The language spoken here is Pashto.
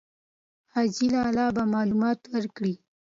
حاجي لالی به معلومات ورکړي.